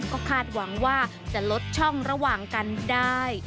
ก็คาดหวังว่าจะลดช่องระหว่างกันได้